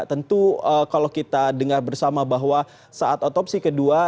tentu kalau kita dengar bersama bahwa saat otopsi kedua